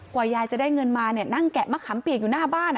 กว่ายายจะได้เงินมาเนี้ยนั่งแกะมะขามเปียกอยู่หน้าบ้านอ่ะ